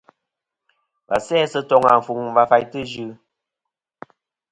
Và sæ sɨ toŋ afuŋ va faytɨ Ɨ yɨ.